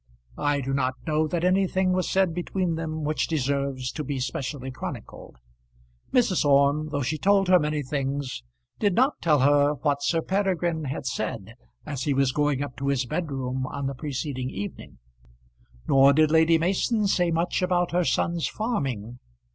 I do not know that anything was said between them which deserves to be specially chronicled. Mrs. Orme, though she told her many things, did not tell her what Sir Peregrine had said as he was going up to his bedroom on the preceding evening, nor did Lady Mason say much about her son's farming.